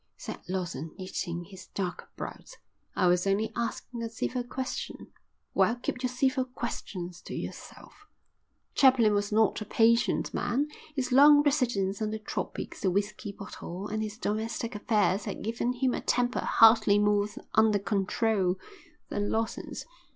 said Lawson, knitting his dark brows. "I was only asking a civil question." "Well, keep your civil questions to yourself." Chaplin was not a patient man; his long residence in the tropics, the whisky bottle, and his domestic affairs had given him a temper hardly more under control than Lawson's.